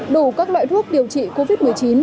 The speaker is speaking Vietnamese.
đủ các loại thuốc điều trị covid một mươi chín